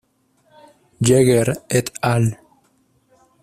Jaeger Et al.